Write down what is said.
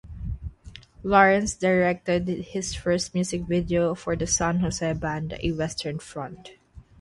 Lawrence directed his first music videos for the San Jose band, A Western Front.